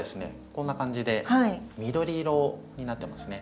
こんな感じで緑色になってますね。